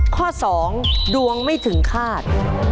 ข้อสองดวงไม่ถึงฆาต